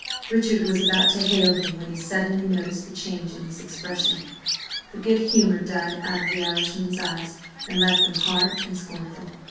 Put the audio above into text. Richard was about to hail him, when he suddenly noticed the change in his expression. The good humour died out of the Irishman's eyes and left them hard and scornful.